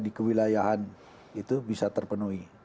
di kewilayahan itu bisa terpenuhi